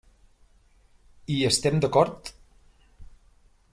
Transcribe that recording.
Hi estem d'acord?